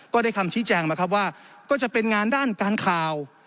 ก็ได้คำชี้แจงมาครับว่าก็จะเป็นงานด้านการข่าว